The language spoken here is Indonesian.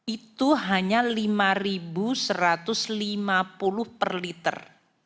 itu hanya rp lima satu ratus lima puluh per liter